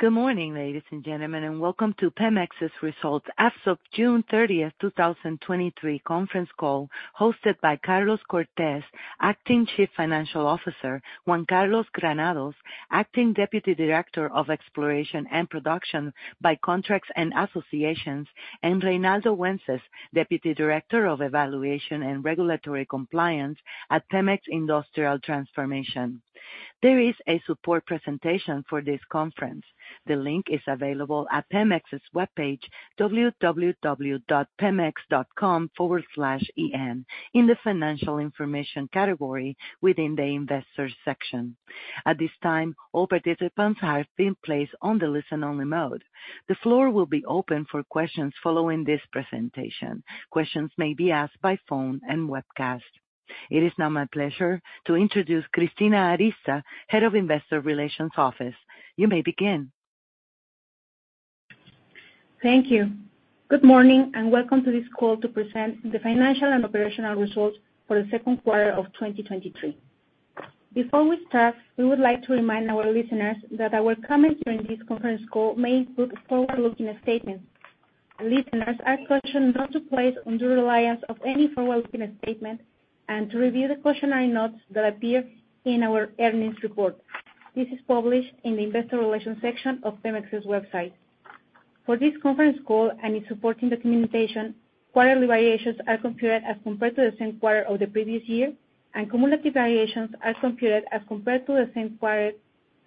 Good morning, ladies and gentlemen, and welcome to PEMEX's Results as of June 30, 2023 conference call, hosted by Carlos Cortez, Acting Chief Financial Officer, Juan Carlos Granados, Acting Deputy Director of Exploration and Production by Contracts and Associations, and Reinaldo Wences, Deputy Director of Evaluation and Regulatory Compliance at PEMEX Industrial Transformation. There is a support presentation for this conference. The link is available at PEMEX's webpage, www.pemex.com/en, in the Financial Information category within the Investors section. At this time, all participants have been placed on the listen-only mode. The floor will be open for questions following this presentation. Questions may be asked by phone and webcast. It is now my pleasure to introduce Cristina Arista, Head of Investor Relations Office. You may begin. Thank you. Good morning, and welcome to this call to present the financial and operational results for the second quarter 2023. Before we start, we would like to remind our listeners that our comments during this conference call may include forward-looking statements. Listeners are cautioned not to place undue reliance on any forward-looking statement and to review the cautionary notes that appear in our earnings report. This is published in the Investor Relations section of PEMEX's website. For this conference call and in supporting the communication, quarterly variations are computed as compared to the same quarter of the previous year, and cumulative variations are computed as compared to the same quarter,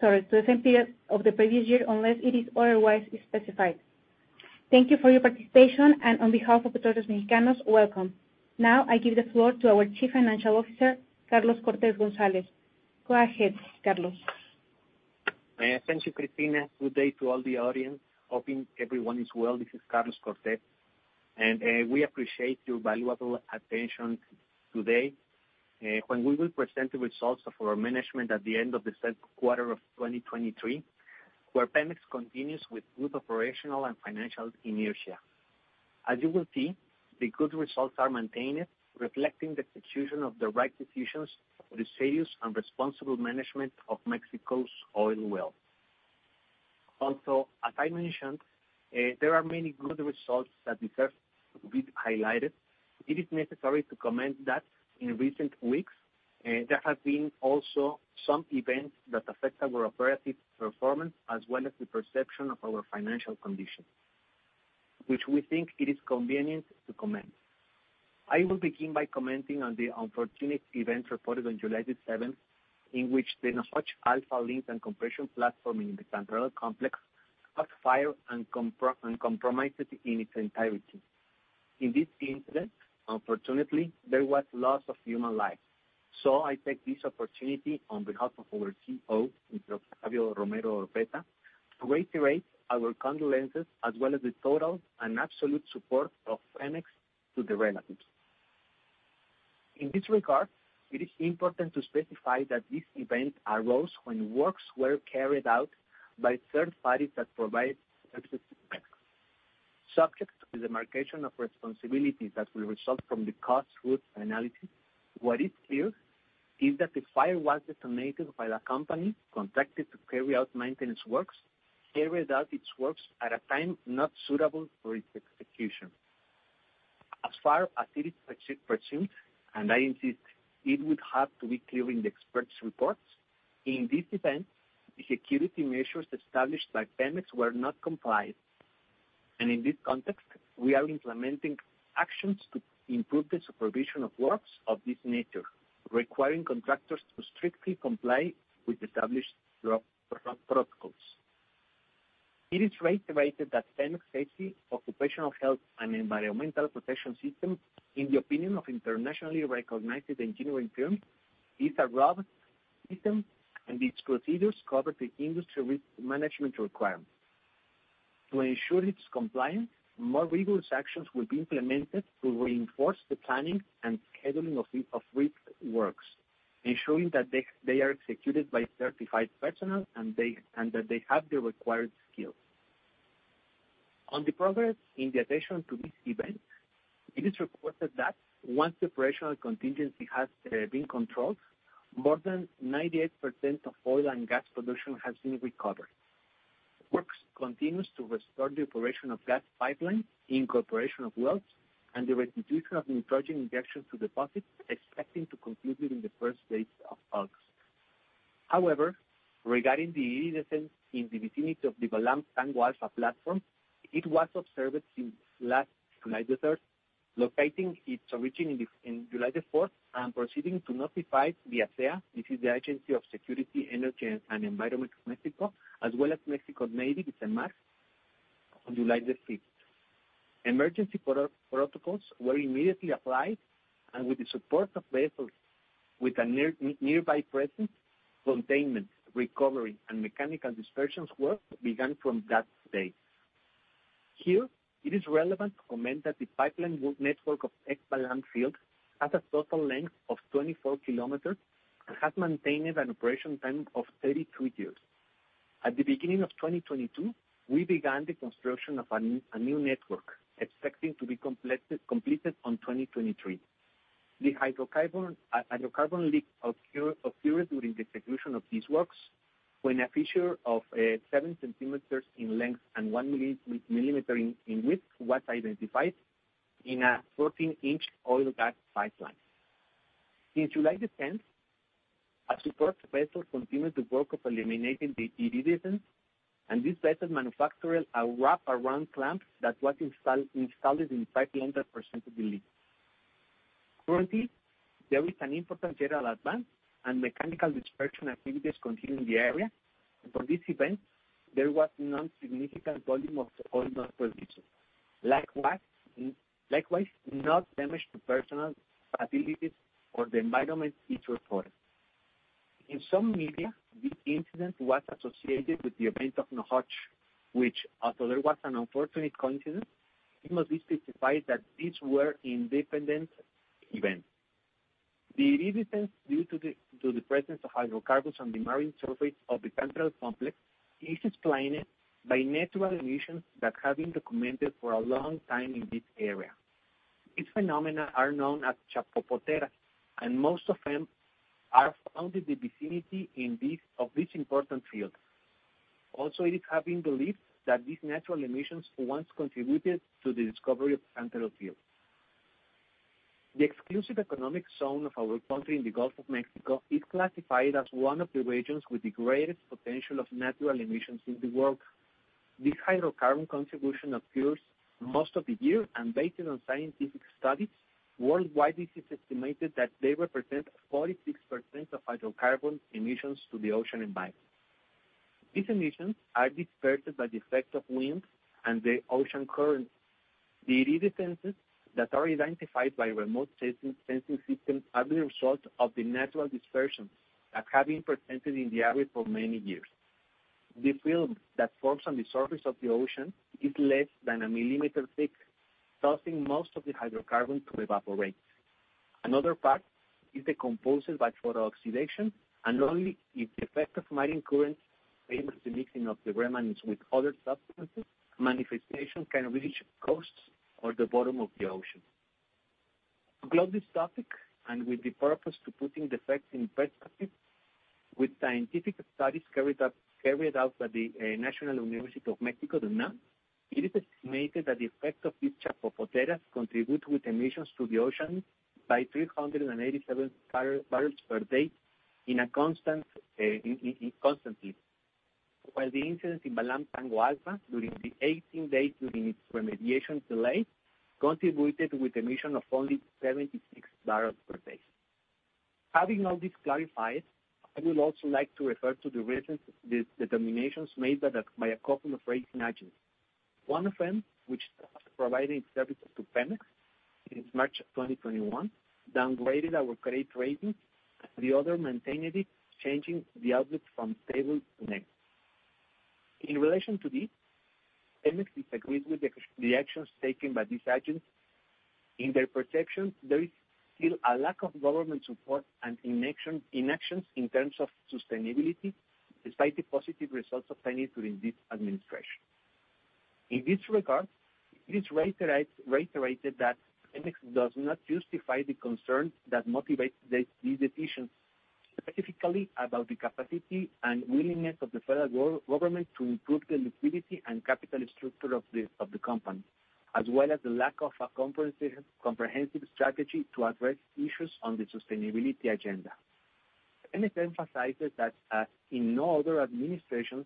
sorry, to the same period of the previous year, unless it is otherwise specified. Thank you for your participation, and on behalf of Petróleos Mexicanos, welcome. Now, I give the floor to our Chief Financial Officer, Carlos Cortez González. Go ahead, Carlos. Thank you, Cristina. Good day to all the audience. Hoping everyone is well. This is Carlos Cortez, and we appreciate your valuable attention today, when we will present the results of our management at the end of the second quarter of 2023, where PEMEX continues with good operational and financial inertia. As you will see, the good results are maintained, reflecting the execution of the right decisions for the serious and responsible management of Mexico's oil wealth. Also, as I mentioned, there are many good results that deserve to be highlighted. It is necessary to comment that in recent weeks, there have been also some events that affect our operative performance, as well as the perception of our financial condition, which we think it is convenient to comment. I will begin by commenting on the unfortunate events reported on July the 7th, in which the Nohoch-A link and compression platform in the Cantarell Complex caught fire and compromised it in its entirety. In this incident, unfortunately, there was loss of human life. I take this opportunity on behalf of our CEO, Octavio Romero Oropeza, to reiterate our condolences, as well as the total and absolute support of PEMEX to the relatives. In this regard, it is important to specify that this event arose when works were carried out by third parties that provide services to PEMEX. Subject to the demarcation of responsibilities that will result from the cause, root analysis, what is clear is that the fire was detonated by the company contracted to carry out maintenance works, carried out its works at a time not suitable for its execution. As far as it is presumed, and I insist, it would have to be clear in the experts' reports, in this event, the security measures established by PEMEX were not complied. In this context, we are implementing actions to improve the supervision of works of this nature, requiring contractors to strictly comply with established protocols. It is reiterated that PEMEX's safety, occupational health, and environmental protection system, in the opinion of internationally recognized engineering firms, is a robust system, and its procedures cover the industry risk management requirements. To ensure its compliance, more rigorous actions will be implemented to reinforce the planning and scheduling of risk works, ensuring that they are executed by certified personnel, and that they have the required skills. On the progress in the addition to this event, it is reported that once the operational contingency has been controlled, more than 98% of oil and gas production has been recovered. Works continues to restore the operation of gas pipeline in cooperation of wells and the restitution of nitrogen injections to deposits, expecting to conclude it in the first days of August. However, regarding the leakages in the vicinity of the Balam-TA platform, it was observed in last July 3rd, locating its origin in July 4th, and proceeding to notify the ASEA, this is the Agency of Security, Energy and Environment of Mexico, as well as Mexico Navy, SEMAR, on July 5th. Emergency protocols were immediately applied, and with the support of vessels with a nearby presence, containment, recovery, and mechanical dispersions work began from that day. Here, it is relevant to comment that the pipeline work network of Ek-Balam field has a total length of 24 km and has maintained an operation time of 33 years. At the beginning of 2022, we began the construction of a new network, expecting to be completed on 2023. A hydrocarbon leak occurred during the execution of these works, when a fissure of 7 cm in length and 1 millimeter in width was identified in a 14-inch oil gas pipeline. Since July 10th, a support vessel continued the work of eliminating the iridescence. This vessel manufactured a wrap-around clamp that was installed in 500% of the leak. Currently, there is an important general advance, and mechanical dispersion activities continue in the area, and for this event, there was non-significant volume of oil not produced. Likewise, no damage to personal facilities or the environment is reported. In some media, this incident was associated with the event of Nohoch, which, although there was an unfortunate coincidence, it must be specified that these were independent events. The iridescence due to the presence of hydrocarbons on the marine surface of the central complex, is explained by natural emissions that have been documented for a long time in this area. These phenomena are known as Chapopotes, and most of them are found in the vicinity of this important field. Also, it is having belief that these natural emissions once contributed to the discovery of Cantarell field. The exclusive economic zone of our country in the Gulf of Mexico is classified as one of the regions with the greatest potential of natural emissions in the world. This hydrocarbon contribution occurs most of the year, and based on scientific studies, worldwide, it is estimated that they represent 46% of hydrocarbon emissions to the ocean environment. These emissions are dispersed by the effect of winds and the ocean currents. The iridescences that are identified by remote sensing, sensing systems, are the result of the natural dispersion that have been presented in the area for many years. The film that forms on the surface of the ocean is less than a millimeter thick, causing most of the hydrocarbon to evaporate. Another part is decomposed by photooxidation, and only if the effect of marine currents favors the mixing of the remnants with other substances, manifestation can reach coasts or the bottom of the ocean. To close this topic, with the purpose to putting the facts in perspective, with scientific studies carried out, carried out by the National University of Mexico, the UNAM, it is estimated that the effects of each Chapopote contribute with emissions to the ocean by 387 barrels per day in a constant, constantly. While the incident in Balam-TA during the 18 days, during its remediation delay, contributed with emission of only 76 barrels per day. Having all this clarified, I would also like to refer to the reasons, the, the determinations made by the, by a couple of rating agencies. One of them, which started providing services to PEMEX in March of 2021, downgraded our credit rating, and the other maintained it, changing the outlook from stable to negative. In relation to this, PEMEX disagrees with the actions taken by these agents. In their protection, there is still a lack of government support and inactions in terms of sustainability, despite the positive results obtained during this administration. In this regard, it is reiterated that PEMEX does not justify the concerns that motivate these decisions, specifically about the capacity and willingness of the federal government to improve the liquidity and capital structure of the company, as well as the lack of a comprehensive strategy to address issues on the sustainability agenda. PEMEX emphasizes that in all other administrations,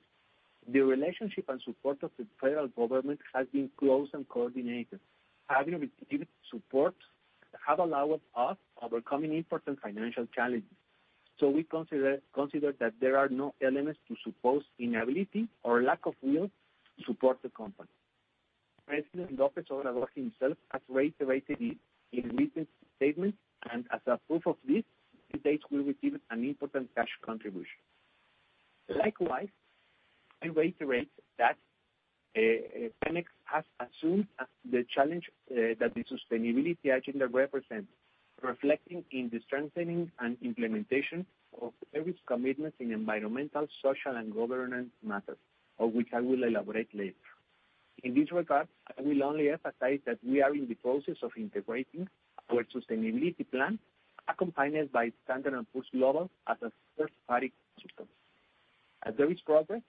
the relationship and support of the federal government has been close and coordinated. Having received support have allowed us overcoming important financial challenges. We consider, consider that there are no elements to suppose inability or lack of will to support the company. President López Obrador himself has reiterated in recent statements, and as a proof of this, to date, we received an important cash contribution. Likewise, I reiterate that PEMEX has assumed as the challenge that the sustainability agenda represents, reflecting in the strengthening and implementation of various commitments in environmental, social, and governance matters, of which I will elaborate later. In this regard, I will only emphasize that we are in the process of integrating our sustainability plan, accompanied by Standard and Poor's Global as a third-party system. As there is progress,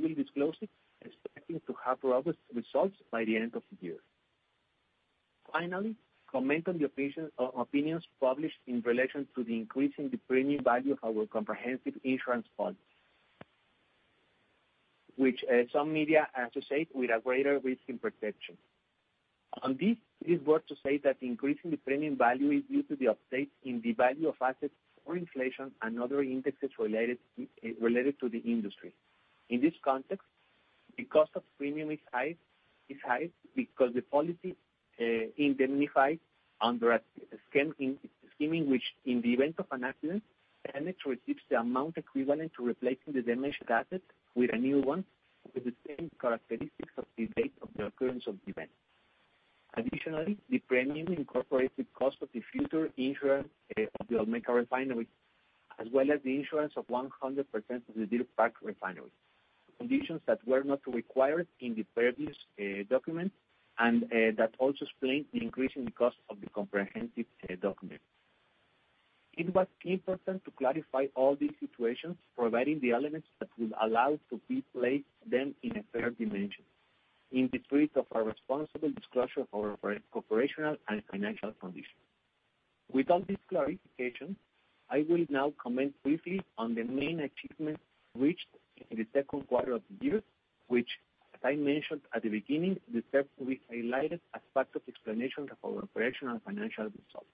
we will disclose it, expecting to have robust results by the end of the year. Finally, comment on the opinion, opinions published in relation to the increase in the premium value of our comprehensive insurance fund, which, some media associate with a greater risk in protection. On this, it's worth to say that the increase in the premium value is due to the update in the value of assets or inflation and other indexes related to the industry. In this context, the cost of premium is high, is high because the policy indemnifies under a scheme in which, in the event of an accident, Pemex receives the amount equivalent to replacing the damaged asset with a new one, with the same characteristics of the date of the occurrence of the event. Additionally, the premium incorporates the cost of the future insurance of the Olmeca Refinery, as well as the insurance of 100% of the Deer Park refinery. Conditions that were not required in the previous document, and that also explain the increase in the cost of the comprehensive document. It was important to clarify all these situations, providing the elements that will allow to be placed then in a fair dimension, in the spirit of our responsible disclosure of our corporational and financial condition. With all this clarification, I will now comment briefly on the main achievements reached in the second quarter of the year, which, as I mentioned at the beginning, the third we highlighted as part of explanation of our operational and financial results.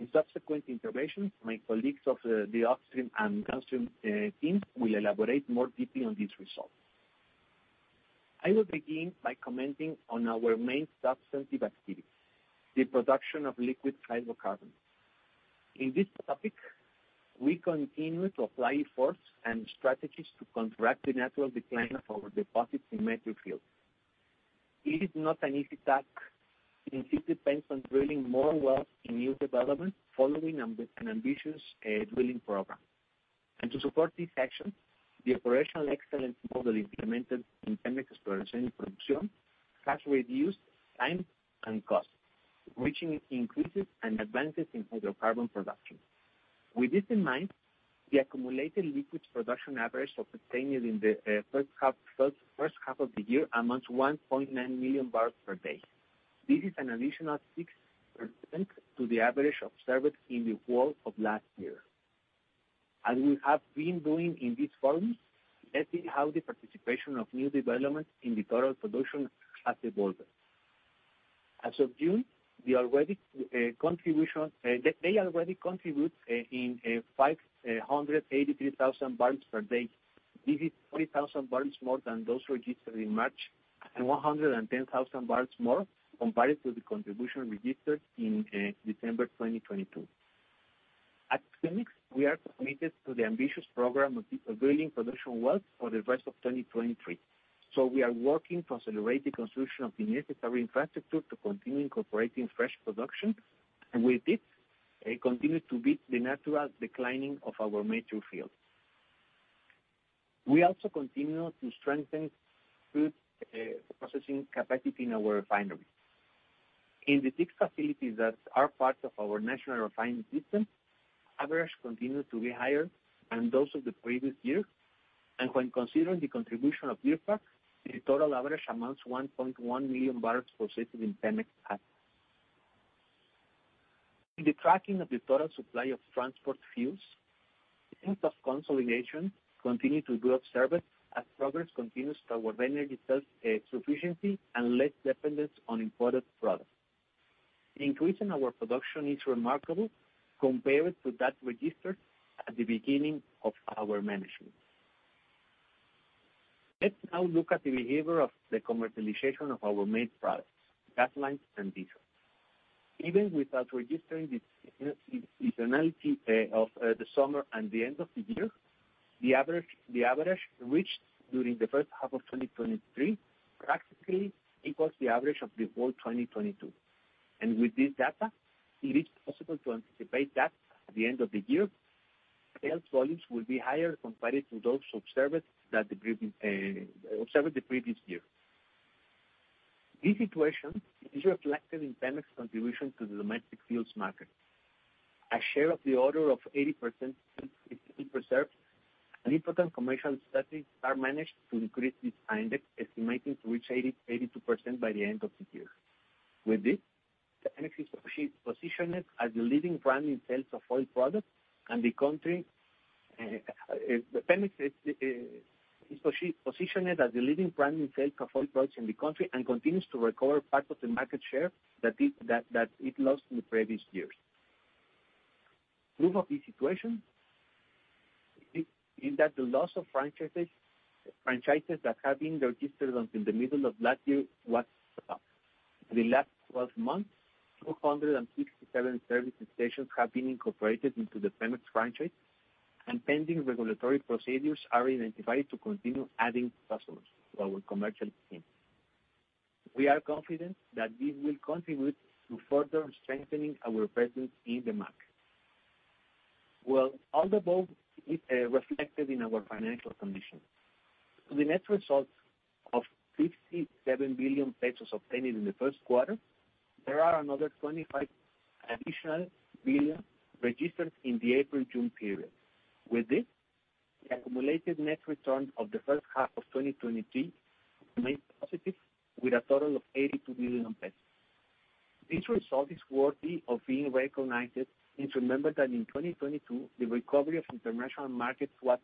In subsequent interventions, my colleagues of the upstream and downstream teams will elaborate more deeply on these results. I will begin by commenting on our main substantive activities, the production of liquid hydrocarbons. In this topic, we continue to apply efforts and strategies to contract the natural decline of our deposits in mature fields. It is not an easy task, since it depends on drilling more wells in new developments, following an ambitious drilling program. To support this action, the operational excellence model implemented in PEMEX Exploration and Production has reduced time and cost, which increases and advances in hydrocarbon production. With this in mind, the accumulated liquid production average obtained in the first half of the year amounts 1.9 million barrels per day. This is an additional 6% to the average observed in the whole of last year. As we have been doing in these forums, let's see how the participation of new developments in the total production has evolved. As of June, the already contribution, they, they already contribute in 583,000 barrels per day. This is 20,000 barrels more than those registered in March, and 110,000 barrels more compared to the contribution registered in December 2022. At Pemex, we are committed to the ambitious program of drilling production wells for the rest of 2023. We are working to accelerate the construction of the necessary infrastructure to continue incorporating fresh production, and with this, continue to beat the natural declining of our mature fields. We also continue to strengthen crude processing capacity in our refineries. In the six facilities that are part of our National Refining System, average continue to be higher than those of the previous year. When considering the contribution of Deer Park, the total average amounts 1.1 million barrels processed in PEMEX plants. In the tracking of the total supply of transport fuels, the pace of consolidation continue to be observed as progress continues toward energy self-sufficiency and less dependence on imported products. The increase in our production is remarkable compared to that registered at the beginning of our management. Let's now look at the behavior of the commercialization of our main products, gasolines and diesel. Even without registering the seasonality of the summer and the end of the year, the average, the average reached during the first half of 2023 practically equals the average of the whole 2022. With this data, it is possible to anticipate that at the end of the year, sales volumes will be higher compared to those observed the previous year. This situation is reflected in PEMEX's contribution to the domestic fuels market. A share of the order of 80% is preserved, and important commercial strategies are managed to increase this index, estimating to reach 80%-82% by the end of the year. With this, PEMEX is positioned as the leading brand in sales of oil products and the country. PEMEX is positioned as the leading brand in sales of oil products in the country and continues to recover part of the market share that it lost in the previous years. Proof of this situation is that the loss of franchises, franchises that had been registered until the middle of last year was stopped. In the last 12 months, 267 service stations have been incorporated into the PEMEX franchise, and pending regulatory procedures are identified to continue adding customers to our commercial team. We are confident that this will contribute to further strengthening our presence in the market. Well, all the above is reflected in our financial condition. The net results of 57 billion pesos obtained in the first quarter, there are another 25 billion registered in the April-June period. With this, the accumulated net return of the first half 2023 remains positive, with a total of 82 billion pesos. This result is worthy of being recognized, to remember that in 2022, the recovery of international markets was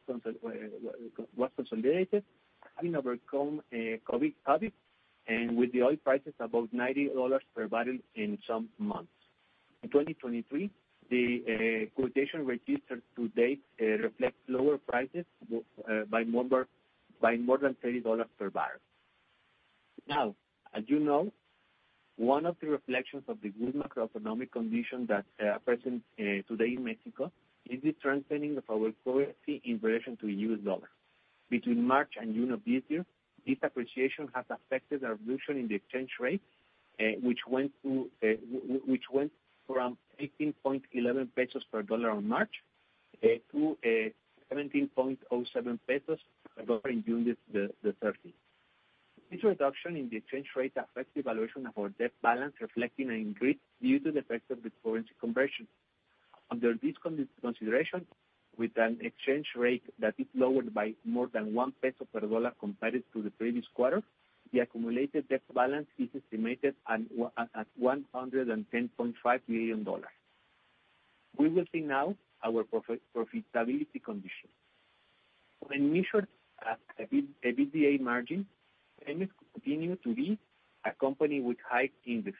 consolidated, having overcome COVID, COVID, and with the oil prices above $90 per barrel in some months. In 2023, the quotation registered to date, reflects lower prices by more than $30 per barrel. Now, as you know, one of the reflections of the good macroeconomic conditions that are present today in Mexico, is the strengthening of our currency in relation to the US dollar. between March and June of this year, this appreciation has affected our evolution in the exchange rate, which went from 18.11 pesos per dollar on March to 17.07 pesos per dollar in June the 30th. This reduction in the exchange rate affects the valuation of our debt balance, reflecting an increase due to the effect of the currency conversion. Under this consideration, with an exchange rate that is lower by more than 1 peso per dollar compared to the previous quarter, the accumulated debt balance is estimated at $110.5 million. We will see now our profitability condition. When measured at EBITDA margin, PEMEX continue to be a company with high indices,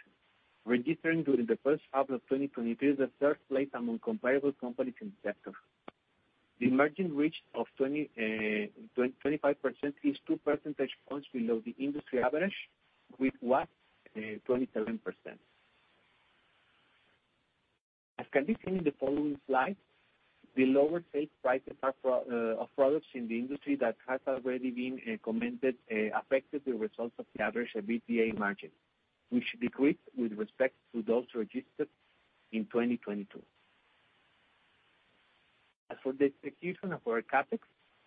registering during the first half of 2023, the third place among comparable companies in the sector. The margin reached of 25% is 2 percentage points below the industry average, which was 27%. As can be seen in the following slide, the lower sale prices of products in the industry that has already been commented, affected the results of the average EBITDA margin, which decreased with respect to those registered in 2022. As for the execution of our CapEx,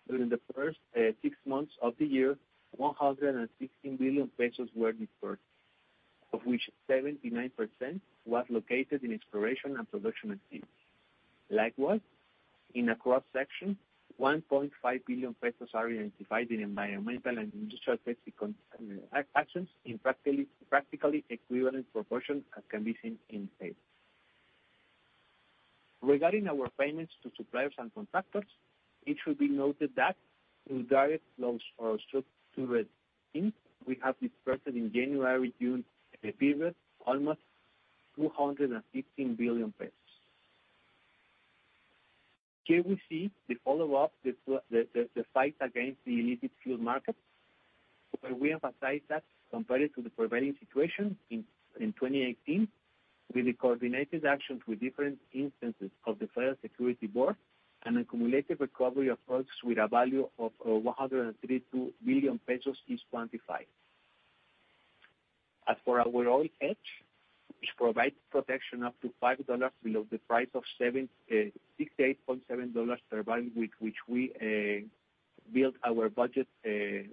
during the first six months of the year, 116 billion pesos were dispersed, of which 79% was located in exploration and production activities. Likewise, in a cross-section, 1.5 billion pesos are identified in environmental and industrial safety actions, in practically equivalent proportions, as can be seen in table. Regarding our payments to suppliers and contractors, it should be noted that through direct flows for our stakeholders, we have disbursed in January, June period, almost 216 billion pesos. Here we see the follow-up, the fight against the illicit fuel market, where we emphasize that compared to the prevailing situation in 2018, with the coordinated action with different instances of the Federal Security Board, an accumulated recovery of products with a value of 103.2 billion pesos is quantified. As for our oil hedge, which provides protection up to $5 below the price of $68.7 per barrel, with which we built our budget, we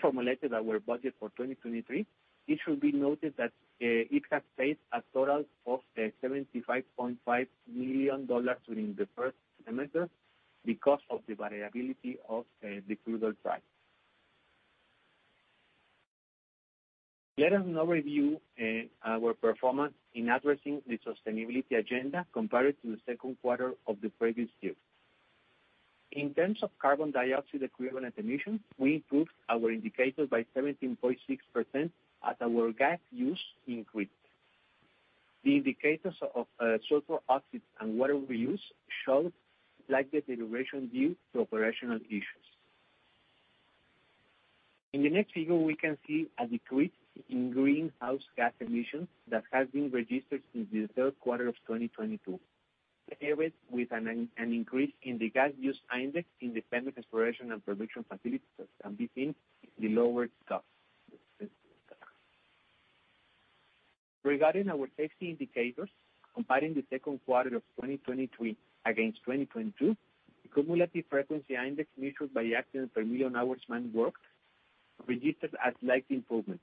formulated our budget for 2023, it should be noted that it has paid a total of $75.5 million during the first semester because of the variability of the crude oil price. Let us now review our performance in addressing the sustainability agenda compared to the second quarter of the previous year. In terms of carbon dioxide equivalent emissions, we improved our indicators by 17.6% as our gas use increased. The indicators of sulfur oxides and water we use showed slight deterioration due to operational issues. In the next figure, we can see a decrease in greenhouse gas emissions that has been registered since the third quarter of 2022, paired with an increase in the gas use index in dependent exploration and production facilities, and between the lower cost. Regarding our safety indicators, comparing the second quarter of 2023 against 2022, the cumulative frequency index measured by accident per million hours man worked, registered a slight improvement.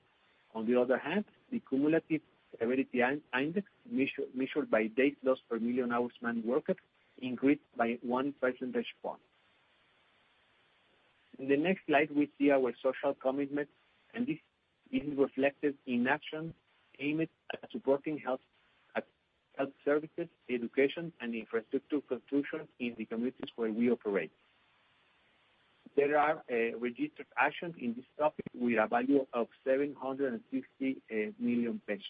On the other hand, the cumulative severity index, measured by date loss per million hours man worked, increased by 1 percentage point. In the next slide, we see our social commitment, and this is reflected in action aimed at supporting health services, education, and infrastructure construction in the communities where we operate. There are registered actions in this topic with a value of 760 million pesos.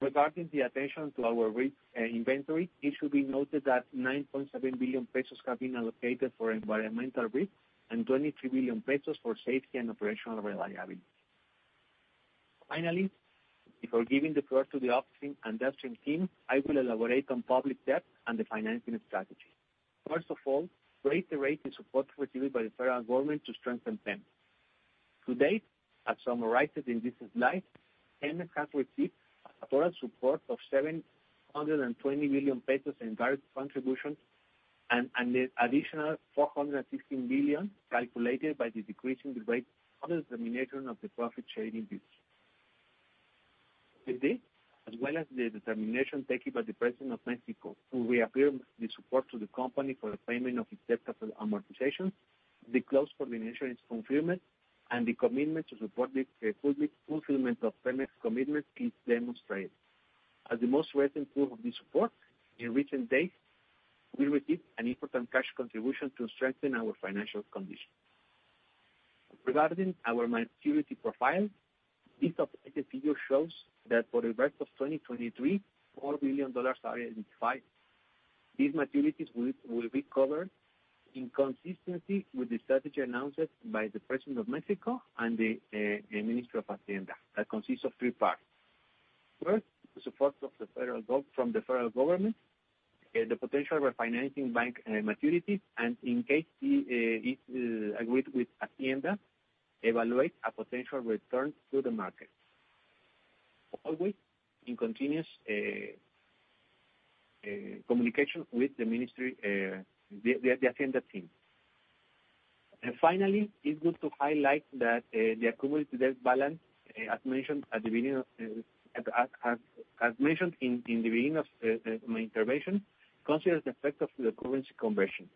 Regarding the attention to our risk inventory, it should be noted that 9.7 billion pesos have been allocated for environmental risk, and 23 billion pesos for safety and operational reliability. Finally, before giving the floor to the upstream and downstream team, I will elaborate on public debt and the financing strategy. First of all, the rate and support received by the federal government to strengthen PEMEX. To date, as summarized in this slide, PEMEX has received a total support of 720 billion pesos in various contributions, and an additional 416 billion, calculated by the decrease in the rate of the determination of the profit sharing duties. With this, as well as the determination taken by the President of Mexico, who reaffirmed the support to the company for the payment of its debt capitalization, the close coordination is confirmed, and the commitment to support the public fulfillment of PEMEX's commitment is demonstrated. As the most recent proof of this support, in recent days, we received an important cash contribution to strengthen our financial condition. Regarding our maturity profile, this updated figure shows that for the rest of 2023, $4 billion are identified. These maturities will be covered in consistency with the strategy announced by the President of Mexico and the Minister of Hacienda. That consists of 3 parts. First, the support from the federal government, the potential refinancing bank maturity, and in case it agreed with Hacienda, evaluate a potential return to the market. Always in continuous communication with the ministry, the Hacienda team. Finally, it's good to highlight that the accumulated debt balance, as mentioned at the beginning of my intervention, considers the effect of the currency conversion,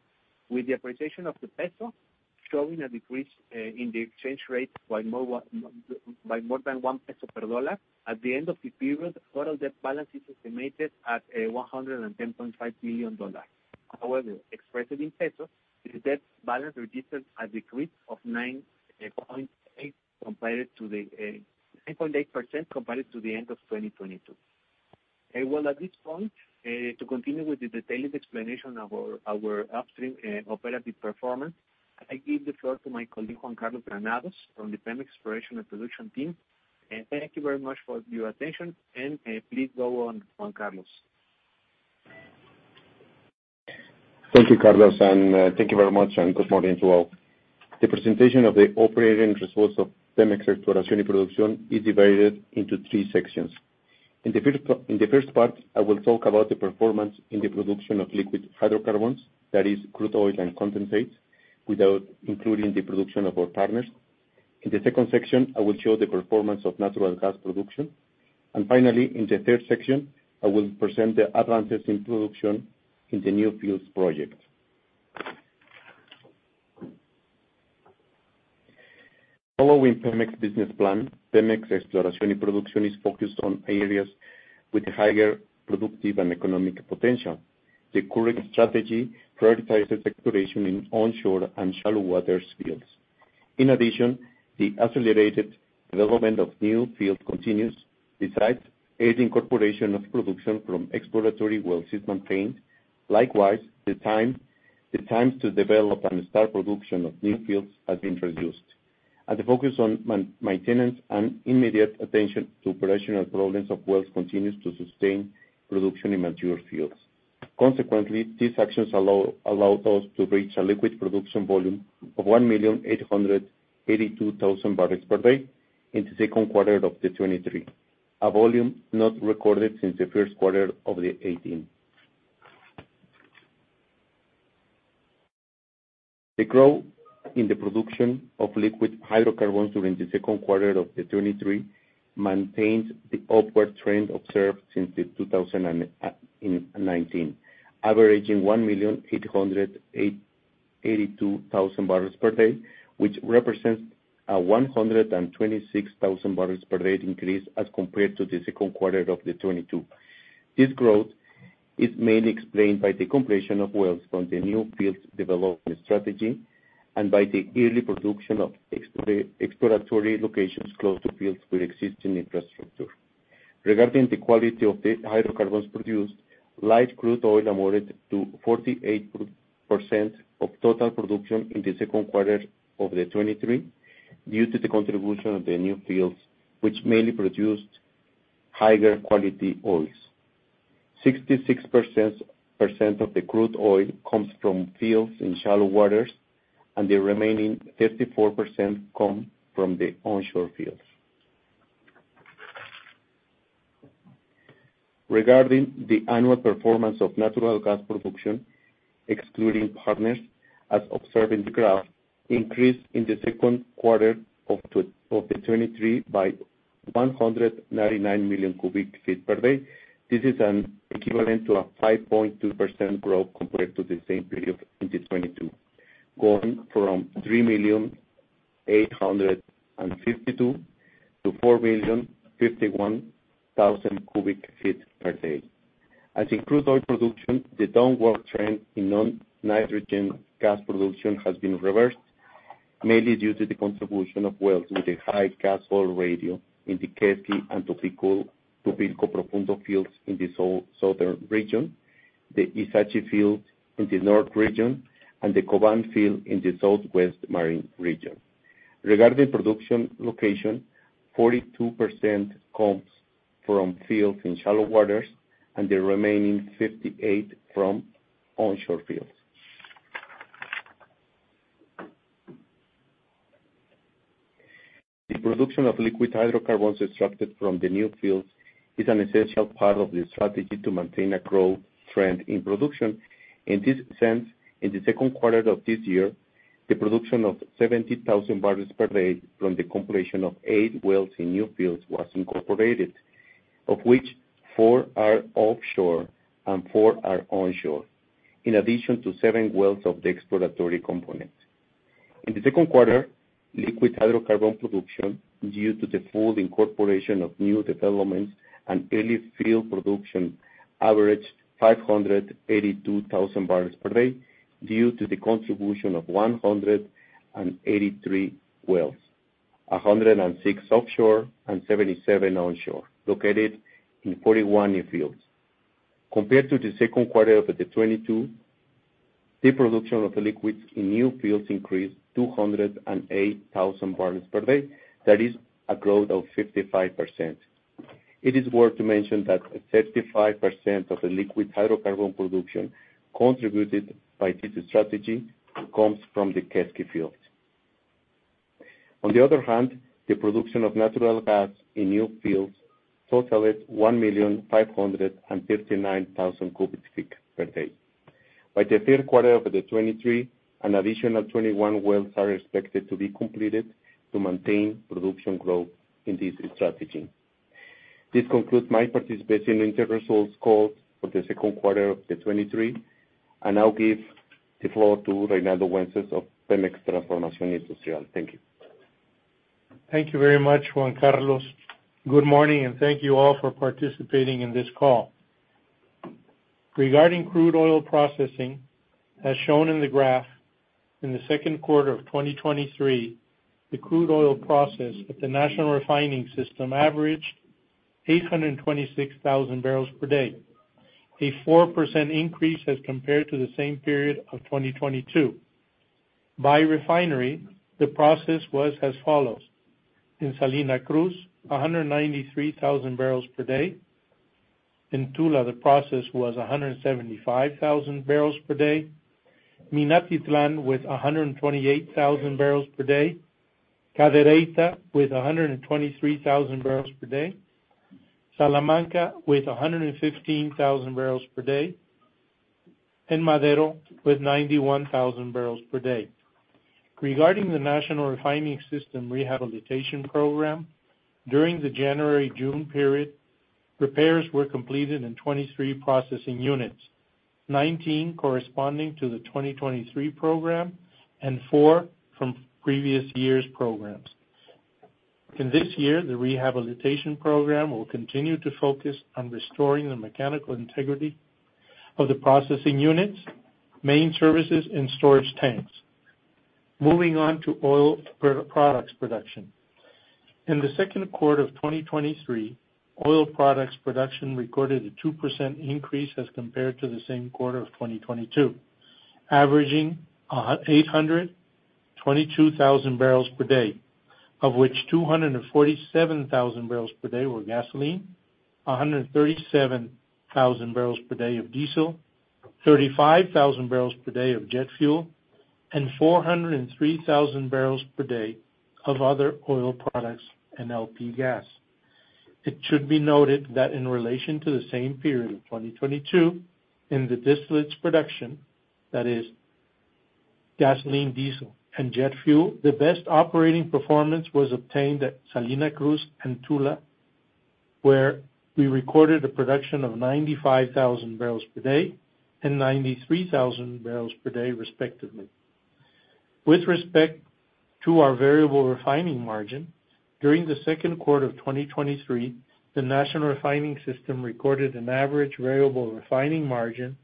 with the appreciation of the peso showing a decrease in the exchange rate by more than 1 peso per dollar. At the end of the period, total debt balance is estimated at $110.5 million. However, expressed in pesos, the debt balance registered a decrease of 9.8% compared to the end of 2022. Well, at this point, to continue with the detailed explanation of our, our upstream, operative performance, I give the floor to my colleague, Juan Carlos Granados, from the PEMEX Exploration and Production team. Thank you very much for your attention, and please go on, Juan Carlos. Thank you, Carlos. Thank you very much, and good morning to all. The presentation of the operating results of PEMEX Exploración y Producción is divided into three sections. In the first part, I will talk about the performance in the production of liquid hydrocarbons, that is, crude oil and condensates, without including the production of our partners. In the second section, I will show the performance of natural gas production. Finally, in the third section, I will present the advances in production in the new fields project. Following PEMEX business plan, PEMEX Exploración y Producción is focused on areas with higher productive and economic potential. The current strategy prioritizes exploration in onshore and shallow waters fields. In addition, the accelerated development of new fields continues, besides, aid incorporation of production from exploratory wells is maintained. Likewise, the times to develop and start production of new fields has been reduced, and the focus on maintenance and immediate attention to operational problems of wells continues to sustain production in mature fields. Consequently, these actions allowed us to reach a liquid production volume of 1,882,000 barrels per day in the second quarter 2023, a volume not recorded since the first quarter 2018. The growth in the production of liquid hydrocarbons during the second quarter 2023 maintains the upward trend observed since 2019, averaging 1,882,000 barrels per day, which represents a 126,000 barrels per day increase as compared to the second quarter 2022. This growth is mainly explained by the completion of wells from the new fields development strategy and by the early production of exploratory locations close to fields with existing infrastructure. Regarding the quality of the hydrocarbons produced, light crude oil amounted to 48% of total production in the second quarter of 2023, due to the contribution of the new fields, which mainly produced higher quality oils. 66% of the crude oil comes from fields in shallow waters, and the remaining 54% come from the onshore fields. Regarding the annual performance of natural gas production, excluding partners, as observed in the graph, increased in the second quarter of 2023 by 199 million cubic feet per day. This is an equivalent to a 5.2% growth compared to the same period in 2022, going from 3,000,852 to 4,051,000 cubic feet per day. As in crude oil production, the downward trend in non-nitrogen gas production has been reversed, mainly due to the contribution of wells with a high gas-oil ratio in the Quesqui and Tupilco Profundo fields in the southern region, the Ixachi field in the north region, and the Koban field in the southwest marine region. Regarding production location, 42% comes from fields in shallow waters, and the remaining 58% from onshore fields. The production of liquid hydrocarbons extracted from the new fields is an essential part of the strategy to maintain a growth trend in production. In this sense, in the second quarter of this year, the production of 70,000 barrels per day from the completion of eight wells in new fields was incorporated, of which four are offshore and four are onshore, in addition to seven wells of the exploratory component. In the second quarter, liquid hydrocarbon production, due to the full incorporation of new developments and early field production, averaged 582,000 barrels per day, due to the contribution of 183 wells, 106 offshore and 77 onshore, located in 41 new fields. Compared to the second quarter of 2022. The production of the liquids in new fields increased 208,000 barrels per day. That is a growth of 55%. It is worth to mention that 35% of the liquid hydrocarbon production contributed by this strategy comes from the Quesqui fields. On the other hand, the production of natural gas in new fields total is 1,559,000 cubic feet per day. By the third quarter of 2023, an additional 21 wells are expected to be completed to maintain production growth in this strategy. This concludes my participation in the results call for the second quarter of 2023. I now give the floor to Reinaldo Wences of PEMEX Transformación Industrial. Thank you. Thank you very much, Juan Carlos. Good morning, thank you all for participating in this call. Regarding crude oil processing, as shown in the graph, in the second quarter of 2023, the crude oil process at the National Refining System averaged 826,000 barrels per day, a 4% increase as compared to the same period of 2022. By refinery, the process was as follows: in Salina Cruz, 193,000 barrels per day. In Tula, the process was 175,000 barrels per day. Minatitlan with 128,000 barrels per day. Cadereyta with 123,000 barrels per day. Salamanca with 115,000 barrels per day, and Madero with 91,000 barrels per day. Regarding the National Refining System Rehabilitation Program, during the January, June period, repairs were completed in 23 processing units, 19 corresponding to the 2023 program and four from previous years' programs. In this year, the rehabilitation program will continue to focus on restoring the mechanical integrity of the processing units, main services, and storage tanks. Moving on to oil products production. In the second quarter of 2023, oil products production recorded a 2% increase as compared to the same quarter of 2022, averaging 822,000 barrels per day, of which 247,000 barrels per day were gasoline, 137,000 barrels per day of diesel, 35,000 barrels per day of jet fuel, and 403,000 barrels per day of other oil products and LP gas. It should be noted that in relation to the same period of 2022, in the distillates production, that is gasoline, diesel, and jet fuel, the best operating performance was obtained at Salina Cruz and Tula, where we recorded a production of 95,000 barrels per day and 93,000 barrels per day, respectively. With respect to our variable refining margin, during the second quarter of 2023, the National Refining System recorded an average variable refining margin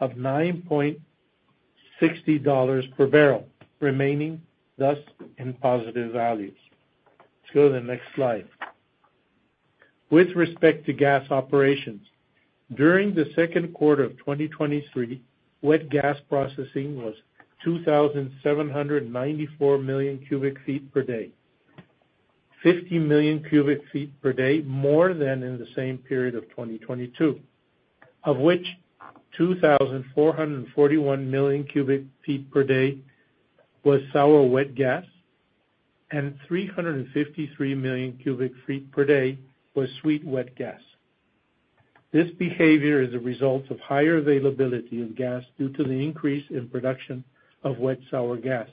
of $9.60 per barrel, remaining thus in positive values. Let's go to the next slide. With respect to gas operations, during the second quarter of 2023, wet gas processing was 2,794 million cubic feet per day, 50 million cubic feet per day, more than in the same period of 2022, of which 2,441 million cubic feet per day was sour wet gas and 353 million cubic feet per day was sweet wet gas. This behavior is a result of higher availability of gas due to the increase in production of wet sour gas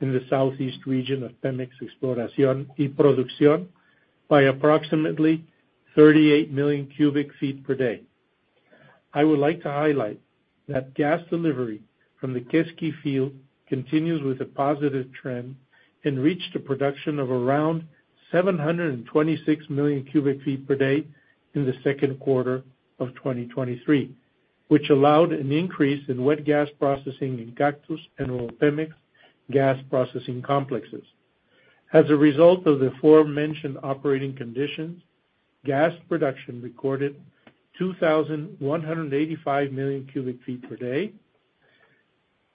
in the southeast region of PEMEX Exploración y Producción by approximately 38 million cubic feet per day. I would like to highlight that gas delivery from the Quesqui field continues with a positive trend and reached a production of around 726 million cubic feet per day in the second quarter of 2023, which allowed an increase in wet gas processing in Cactus and Nuevo Pemex gas processing complexes. As a result of the aforementioned operating conditions, gas production recorded 2,185 million cubic feet per day,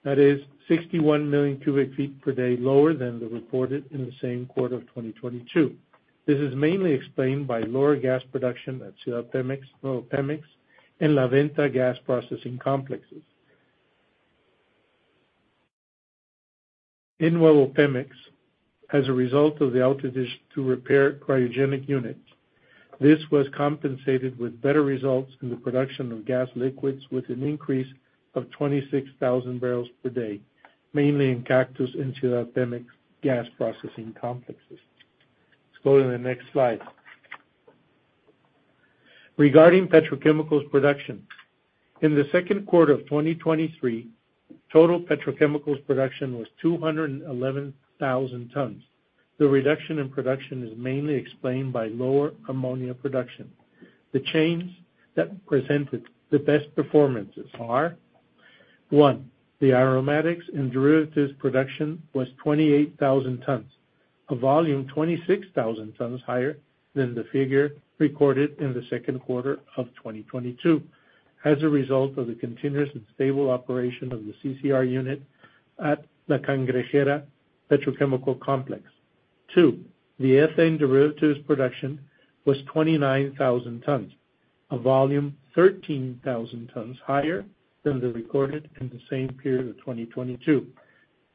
that is 61 million cubic feet per day, lower than the reported in the same quarter of 2022. This is mainly explained by lower gas production at Ciudad Pemex, Nuevo Pemex, and La Venta gas processing complexes. In Nuevo PEMEX, as a result of the outage to repair cryogenic units, this was compensated with better results in the production of gas liquids, with an increase of 26,000 barrels per day, mainly in Cactus and Ciudad PEMEX gas processing complexes. Let's go to the next slide. Regarding petrochemicals production, in the second quarter of 2023, total petrochemicals production was 211,000 tons. The reduction in production is mainly explained by lower ammonia production. The chains that presented the best performances are: 1, the aromatics and derivatives production was 28,000 tons, a volume 26,000 tons higher than the figure recorded in the second quarter of 2022, as a result of the continuous and stable operation of the CCR unit at La Cangrejera Petrochemical Complex. Two, the ethane derivatives production was 29,000 tons, a volume 13,000 tons higher than the recorded in the same period of 2022,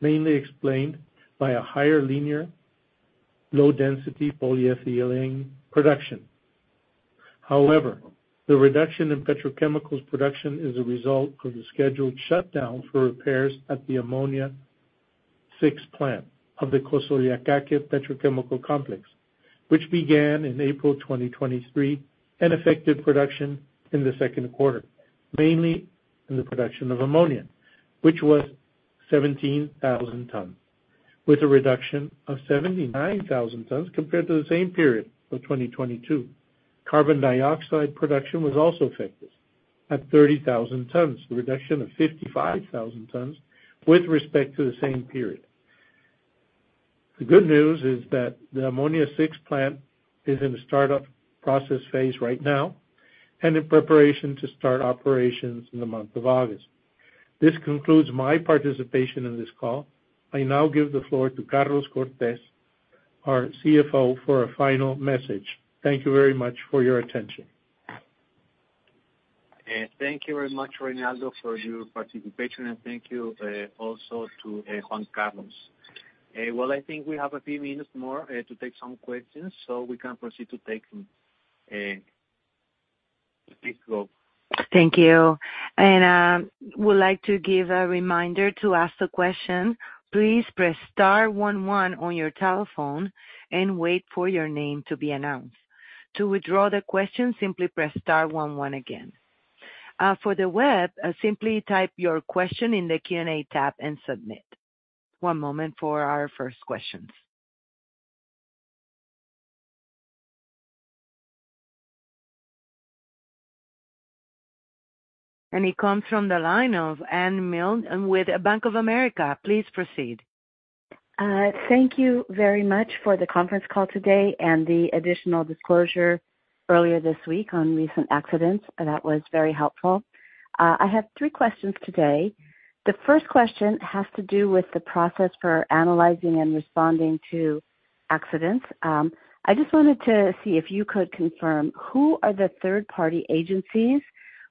mainly explained by a higher linear low-density polyethylene production. The reduction in petrochemicals production is a result of the scheduled shutdown for repairs at the Ammonia VI plant of the Cosoleacaque Petrochemical Complex, which began in April 2023 and affected production in the second quarter, mainly in the production of ammonia, which was 17,000 tons, with a reduction of 79,000 tons compared to the same period of 2022. Carbon dioxide production was also affected at 30,000 tons, a reduction of 55,000 tons with respect to the same period. The good news is that the Ammonia VI plant is in the startup process phase right now and in preparation to start operations in the month of August. This concludes my participation in this call. I now give the floor to Carlos Cortez, our CFO, for a final message. Thank you very much for your attention. Thank you very much, Reinaldo, for your participation, and thank you also to Juan Carlos. Well, I think we have a few minutes more to take some questions. We can proceed to take. Please go. Thank you. Would like to give a reminder to ask the question. Please press star one one on your telephone and wait for your name to be announced. To withdraw the question, simply press star one one again. For the web, simply type your question in the Q&A tab and submit. One moment for our first questions. It comes from the line of Anne Milne with Bank of America. Please proceed. Thank you very much for the conference call today and the additional disclosure earlier this week on recent accidents. That was very helpful. I have three questions today. The first question has to do with the process for analyzing and responding to accidents. I just wanted to see if you could confirm who are the third-party agencies,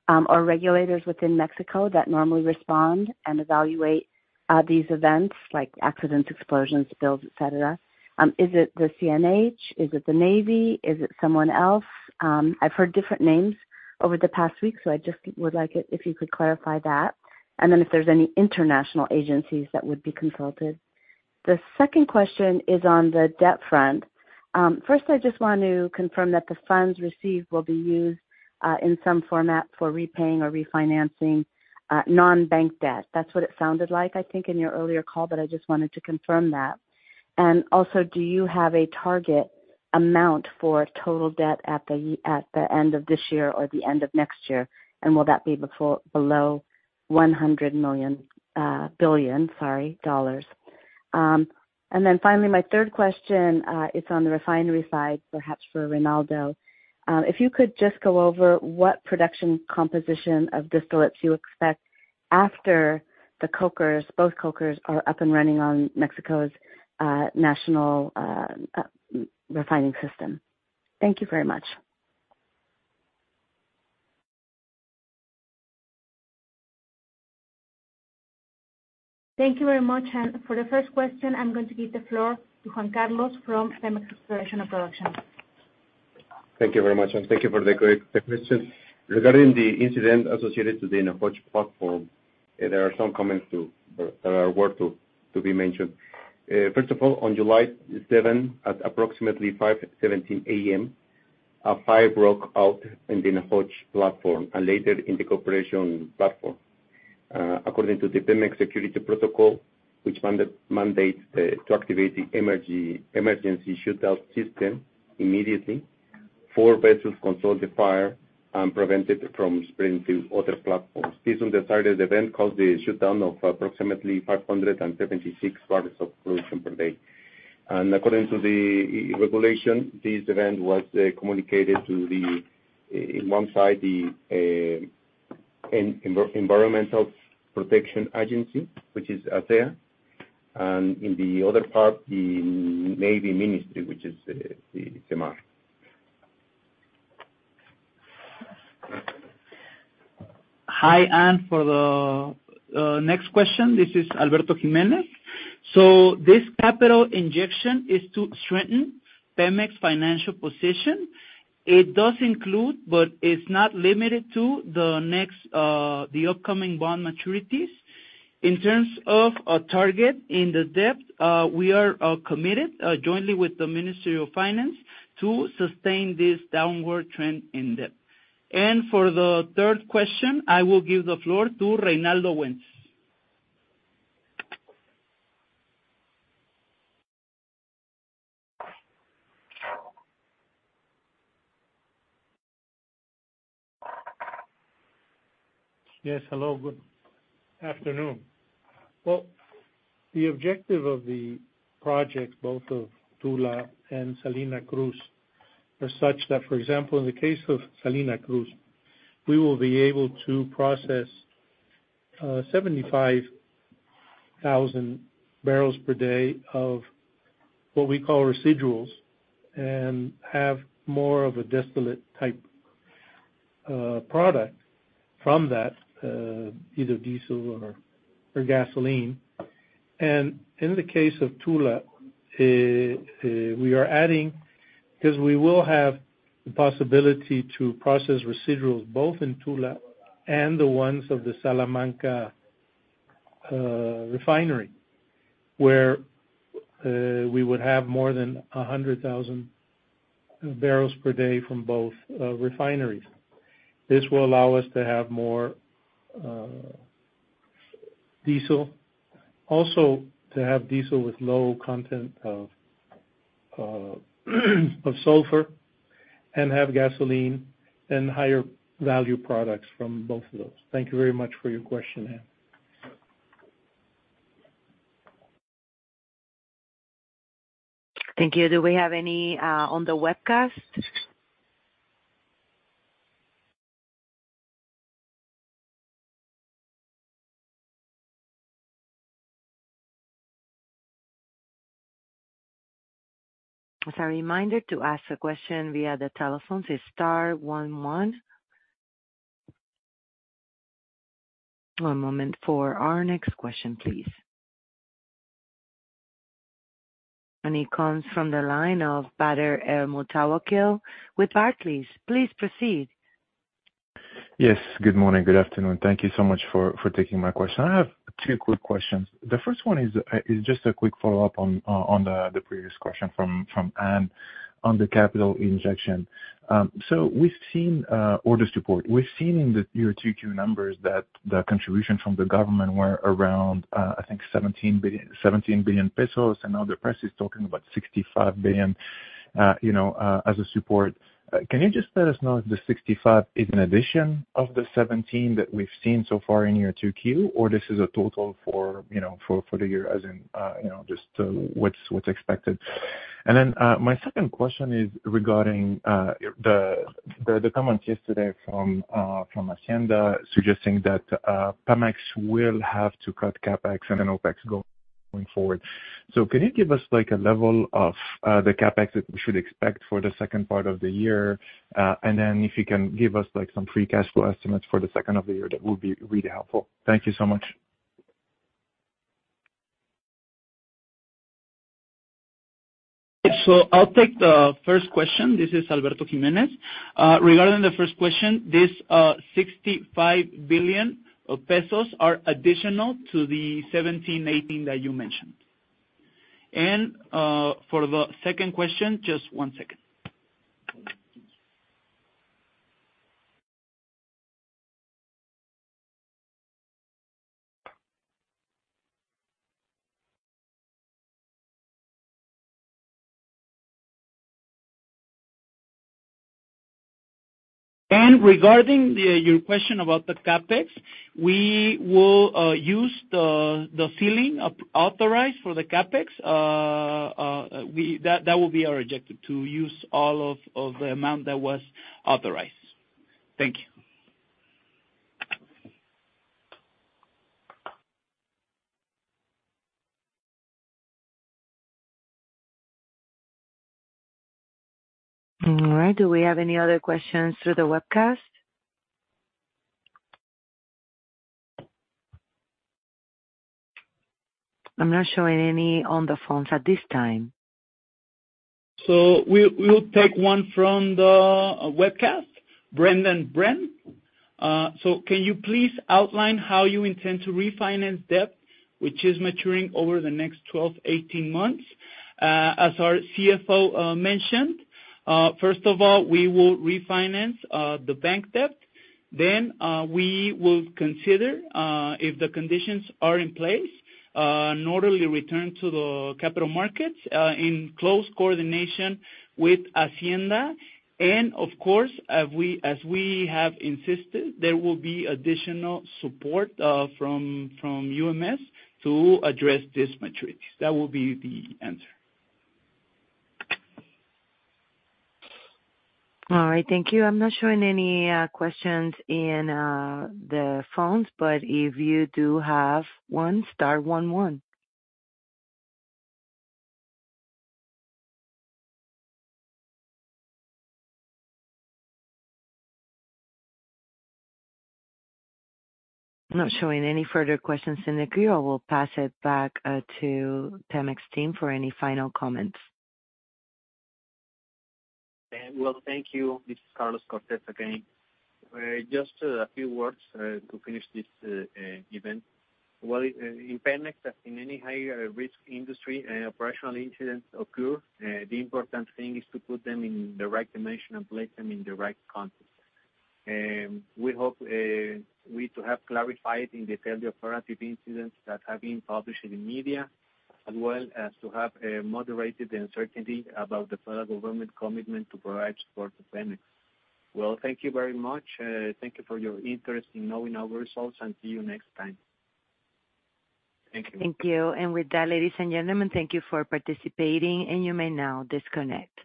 or regulators within Mexico that normally respond and evaluate these events, like accidents, explosions, spills, etc. Is it the CNH? Is it the Navy? Is it someone else? I've heard different names over the past week, so I just would like it if you could clarify that, and then if there's any international agencies that would be consulted. The second question is on the debt front. First, I just want to confirm that the funds received will be used in some format for repaying or refinancing non-bank debt. That's what it sounded like, I think, in your earlier call, but I just wanted to confirm that. Also, do you have a target amount for total debt at the end of this year or the end of next year? Will that be below $100 billion, sorry? Then finally, my third question is on the refinery side, perhaps for Reinaldo. If you could just go over what production composition of distillates you expect after the cokers, both cokers, are up and running on Mexico's National Refining System. Thank you very much. Thank you very much. For the first question, I'm going to give the floor to Juan Carlos from PEMEX Exploration and Production. Thank you very much, and thank you for the great questions. Regarding the incident associated with the Nohoch platform, there are some comments to that are worth to be mentioned. First of all, on July 7th, at approximately 5:17 A.M., a fire broke out in Nohoch platform and later in the Compression Complex. According to the PEMEX security protocol, which mandate, mandates to activate the emergency shutdown system immediately, four vessels controlled the fire and prevented it from spreading to other platforms. This undecided event caused the shutdown of approximately 576 barrels of production per day. According to the regulation, this event was communicated to, in one side, the Environmental Protection Agency, which is there, and in the other part, the Navy Ministry, which is the SEMAR. Hi, Anne, for the next question, this is Alberto Jiménez. This capital injection is to strengthen PEMEX financial position. It does include, but it's not limited to, the next, the upcoming bond maturities. In terms of a target in the debt, we are committed jointly with the Ministry of Finance to sustain this downward trend in debt. For the third question, I will give the floor to Reinaldo Wences. Yes, hello, good afternoon. Well, the objective of the project, both of Tula and Salina Cruz, are such that, for example, in the case of Salina Cruz, we will be able to process 75,000 barrels per day of what we call residuals and have more of a distillate type product from that, either diesel or, or gasoline. In the case of Tula, we are adding, because we will have the possibility to process residuals both in Tula and the ones of the Salamanca refinery, where we would have more than 100,000 barrels per day from both refineries. This will allow us to have more diesel, also to have diesel with low content of sulfur and have gasoline and higher value products from both of those. Thank you very much for your question, Anne. Thank you. Do we have any on the webcast? As a reminder, to ask a question via the telephone is star one one. One moment for our next question, please. It comes from the line of Badr El Moutawakil with Barclays. Please proceed. Yes, good morning. Good afternoon. Thank you so much for, for taking my question. I have two quick questions. The first one is just a quick follow-up on the previous question from Anne on the capital injection. We've seen order support. We've seen in the year 2Q numbers that the contribution from the government were around, I think 17 billion pesos, and now the press is talking about 65 billion as a support. Can you just let us know if the 65 is an addition of the 17 that we've seen so far in year 2Q, or this is a total for the year, as in just what's, what's expected? My second question is regarding the comments yesterday from Hacienda, suggesting that PEMEX will have to cut CapEx and OpEx going, going forward. Can you give us like a level of the CapEx that we should expect for the second part of the year? If you can give us, like, some free cash flow estimates for the second of the year, that would be really helpful. Thank you so much. I'll take the first question. This is Alberto Jiménez. Regarding the first question, this 65 billion pesos are additional to the 17, 18 that you mentioned. For the second question, just one second. Regarding the, your question about the CapEx, we will use the ceiling of authorized for the CapEx. That will be our objective, to use all of the amount that was authorized. Thank you. All right. Do we have any other questions through the webcast? I'm not showing any on the phones at this time. We, we will take one from the webcast. Brendan Brent, can you please outline how you intend to refinance debt, which is maturing over the next 12, 18 months? As our CFO mentioned, first of all, we will refinance the bank debt. We will consider if the conditions are in place, an orderly return to the capital markets, in close coordination with Hacienda. Of course, as we, as we have insisted, there will be additional support from, from UMS to address this maturity. That will be the answer. All right, thank you. I'm not showing any questions in the phones, but if you do have one, star one, one. I'm not showing any further questions in the queue. I will pass it back to PEMEX team for any final comments. Well, thank you. This is Carlos Cortez again. Just a few words to finish this event. Well, in PEMEX, as in any higher risk industry, operational incidents occur. The important thing is to put them in the right dimension and place them in the right context. We hope we to have clarified in the failure operative incidents that have been published in the media, as well as to have a moderated uncertainty about the federal government commitment to provide support to PEMEX. Well, thank you very much. Thank you for your interest in knowing our results, and see you next time. Thank you. Thank you. With that, ladies and gentlemen, thank you for participating, and you may now disconnect.